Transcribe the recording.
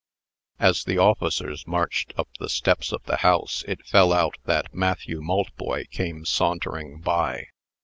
As the officers marched up the steps of the house, it fell out that Matthew Maltboy came sauntering by.